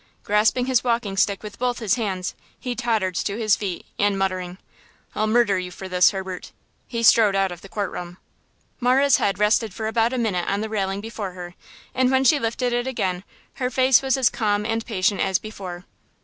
Grasping his walking stick with both his hands, he tottered to his feet, and, muttering: "I'll murder your for this, Herbert!" he strode out of the court room. Marah's head rested for about a minute on the railing before her and when she lifted it again her face was as calm and patient as before.